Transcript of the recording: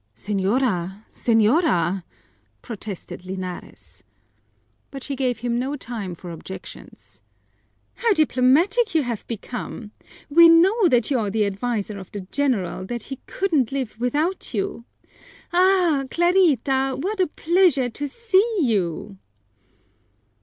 "Señora, señora!" protested Linares. But she gave him no time for objections. "How diplomatic you have become! We know that you're the adviser of the General, that he couldn't live without you. Ah, Clarita, what a pleasure to zee you!"